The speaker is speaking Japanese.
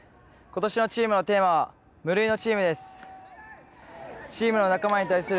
今年のチームのテーマは無類のチームです。